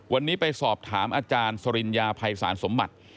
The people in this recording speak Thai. วันนี้ไปสอบถามอาจารย์สริญญาภัยศาลสมบัติ